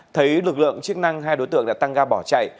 thấy lực lượng chức năng hai đối tượng đã tăng ga bỏ chạy